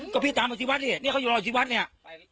ก็พี่ตามมาสิวัดเนี่ยเขาอยู่รออยู่สิวัดเนี่ย